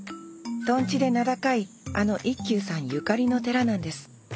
とんちで名高いあの一休さんゆかりの寺なんです。